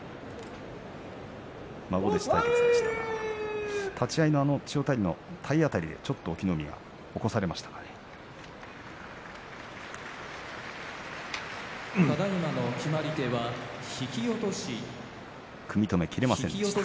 孫弟子対決でしたが立ち合い千代大龍の体当たりで一気に隠岐の海、起こされました。